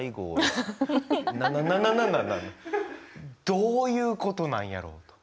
どういうことなんやろと。